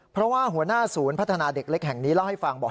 เพราะว่าหัวหน้าศูนย์พัฒนาเด็กเล็กแห่งนี้เล่าให้ฟังบอก